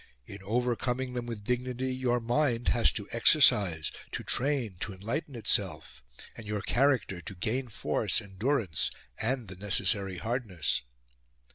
In overcoming them with dignity, your mind has to exercise, to train, to enlighten itself; and your character to gain force, endurance, and the necessary hardness."